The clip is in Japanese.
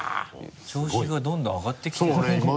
調子がどんどん上がってきてるでしょ？